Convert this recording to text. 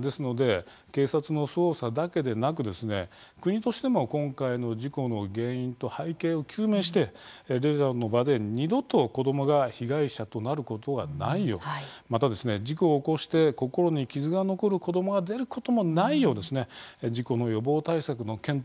ですので警察の捜査だけでなく国としても今回の事故の原因と背景を究明して、レジャーの場で二度と子どもが被害者となることがないようまた事故を起こして心に傷が残る子どもが出ることもないよう事故の予防対策の検討